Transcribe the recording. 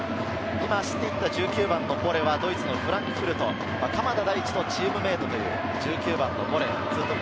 今、走っていったボレはドイツのフランクフルト、鎌田大地とチームメートというボレ。